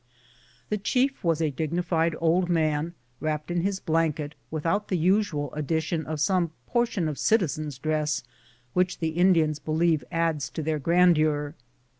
The chief was a dignified old man, wrapped in his blanket, without the usual addition of some portion of citizen's dress which the Indians believe adds to their grandeur.